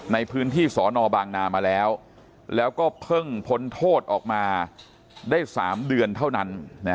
ในพื้นที่สอนอบางนามาแล้วแล้วก็เพิ่งพ้นโทษออกมาได้๓เดือนเท่านั้น